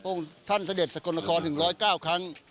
พวกชาวสเตศสกลนครถึง๑๐๙ครั้ง